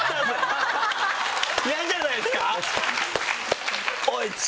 嫌じゃないですか？